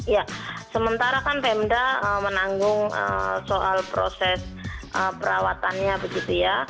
ya sementara kan pemda menanggung soal proses perawatannya begitu ya